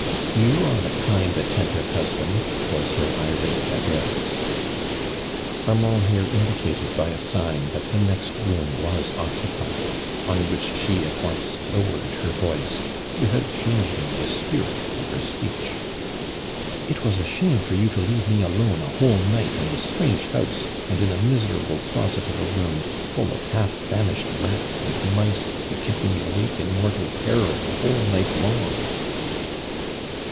" You area kind attentive husband I" was lier irate address. Armand here indicated by a sign that the next room was occupied, on which she at once lowered her voice without changing the spirit of her speech. " It was a shame for you to leave me alone a whole night in a strange house and in a miserable closet of a room, full of lialf famished rats and mice that kept me awnke in mortal terror the whole night long.''